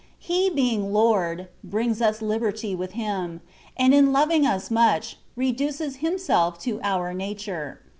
He being Lord, brings us liberty with Him; and in loving us much, reduces Himself to our nature.